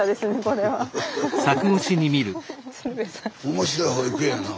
面白い保育園やな。